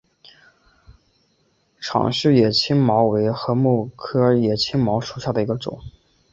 长序野青茅为禾本科野青茅属下的一个种。